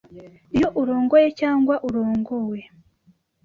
Iyo urongoye cyangwa urongowe